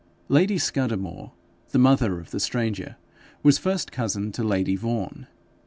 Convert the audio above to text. Lady Scudamore, the mother of the stranger, was first cousin to lady Vaughan.